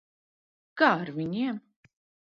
Kā ar viņiem?